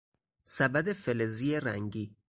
سبد فلزی رنگی